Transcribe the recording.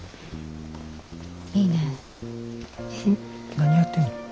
何やってんの？